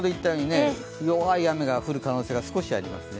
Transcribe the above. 弱い雨が降る可能性が少しあります。